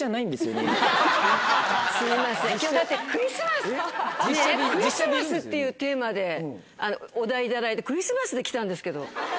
ねぇ「クリスマス」っていうテーマでお題頂いてクリスマスで来たんですけど。